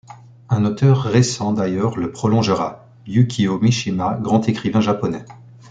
Un auteur récent, d'ailleurs, le prolongera, Yukio Mishima, grand écrivain japonais.